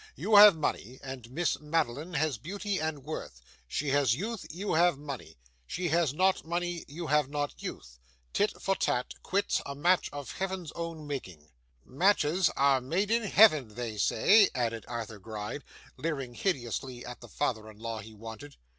You have money, and Miss Madeline has beauty and worth. She has youth, you have money. She has not money, you have not youth. Tit for tat, quits, a match of Heaven's own making!' 'Matches are made in Heaven, they say,' added Arthur Gride, leering hideously at the father in law he wanted.